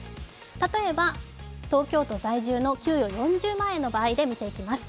例えば東京都在住の給与４０万円の場合で見ていきます。